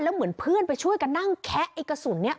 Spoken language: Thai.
เหมือนเพื่อนไปช่วยกันนั่งแคะไอ้กระสุนนี้